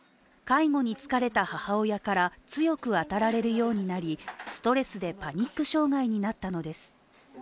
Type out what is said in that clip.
介護に疲れた母親から強く当たられるようになりストレスでパニック障害になったのです。